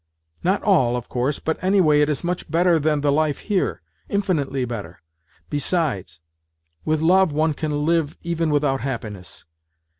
" Not all, of course, but anyway it is much better than the life here. Infinitely better. Besides, with love one can live even without happiness.